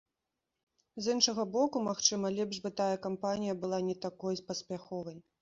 З іншага боку, магчыма, лепш бы тая кампанія была не такой паспяховай.